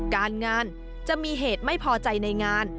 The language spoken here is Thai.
การงานจะมีเหตุไม่พอใจในงาน